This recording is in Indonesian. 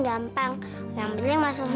kau makannya kayak gitu sih sayap